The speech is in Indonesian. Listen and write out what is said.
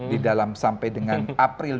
di dalam sampai dengan april dua ribu sembilan belas